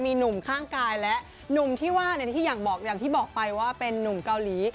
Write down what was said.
มีหนุ่มข้างกายและหนุ่มที่อยากบอกไปว่าเป็นหนุ่มเกาหลี